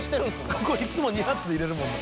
ここいつも２発で入れるもんな。